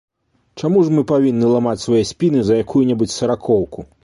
Чаму ж мы павінны ламаць свае спіны за якую-небудзь саракоўку?